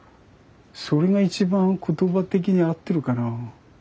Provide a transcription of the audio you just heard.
それが一番言葉的に合ってるかなあ。